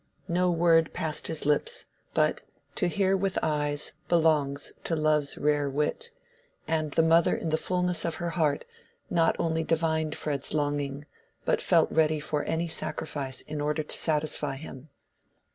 No word passed his lips; but "to hear with eyes belongs to love's rare wit," and the mother in the fulness of her heart not only divined Fred's longing, but felt ready for any sacrifice in order to satisfy him.